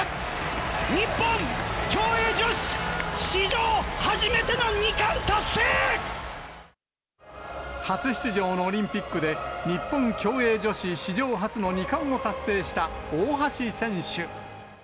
日本、初出場のオリンピックで、日本競泳女子史上初の２冠を達成した大橋選手。